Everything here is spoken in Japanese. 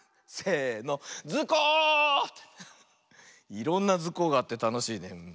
いろんな「ズコ！」があってたのしいね。